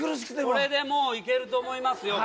これでもういけると思いますよ。